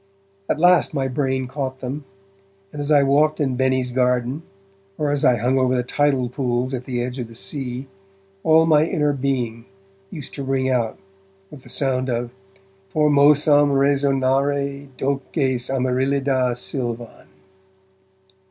At last my brain caught them, and as I walked in Benny's garden, or as I hung over the tidal pools at the edge of the sea, all my inner being used to ring out with the sound of Formosam resonare doces Amaryllida silvan.